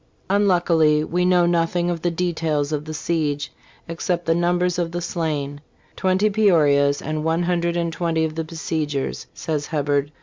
'.'Unluckily we know nothing of the details of the siege, except the number of the slain: twenty Pe orias and one hundred and twenty of the besiegers," says Hebberd.